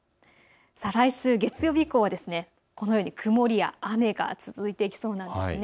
来週月曜日以降はこのように曇りや雨が続いていきそうなんです。